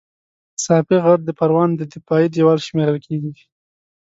ساپی غر د پروان دفاعي دېوال شمېرل کېږي